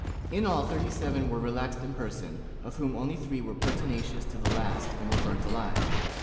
In all thirty seven were relaxed in person, of whom only three were pertinacious to the last and were burnt alive.